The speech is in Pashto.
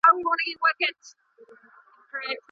حجره د ښځو له پاره نه ده.